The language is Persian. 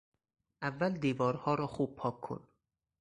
اول دیوارها را خوب پاک کن.